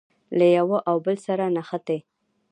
له یوه او بل سره نښتي.